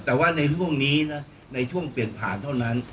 แต่ว่าในช่วงนี้นะในช่วงเปลี่ยนผ่านเท่านั้น